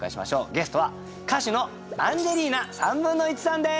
ゲストは歌手のアンジェリーナ１／３さんです！